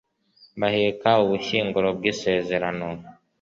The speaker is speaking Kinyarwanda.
baheka ubushyinguro bw'isezerano